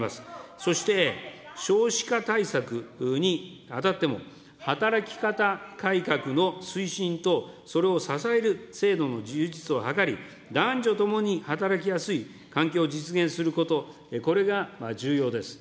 そして、少子化対策にあたっても、働き方改革の推進とそれを支える制度の充実を図り、男女ともに働きやすい環境実現すること、これが重要です。